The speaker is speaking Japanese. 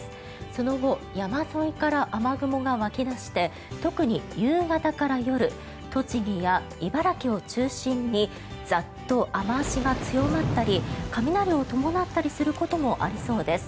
その後、山沿いから雨雲が湧き出して特に夕方から夜栃木や茨城を中心にザッと雨脚が強まったり雷を伴ったりすることもありそうです。